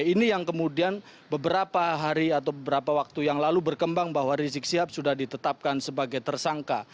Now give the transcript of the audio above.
ini yang kemudian beberapa hari atau beberapa waktu yang lalu berkembang bahwa rizik sihab sudah ditetapkan sebagai tersangka